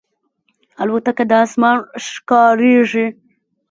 الوتکه د اسمان ښکاریږي.